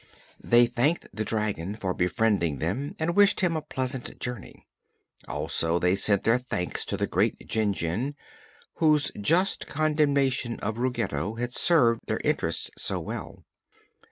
They thanked the dragon for befriending them and wished him a pleasant journey. Also they sent their thanks to the great Jinjin, whose just condemnation of Ruggedo had served their interests so well.